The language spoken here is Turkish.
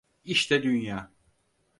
İşte dünya…